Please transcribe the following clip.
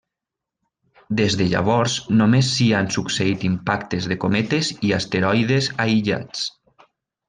Des de llavors només s'hi han succeït impactes de cometes i asteroides aïllats.